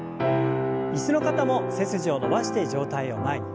椅子の方も背筋を伸ばして上体を前に。